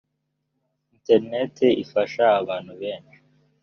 interineti ifasha abantu beshi.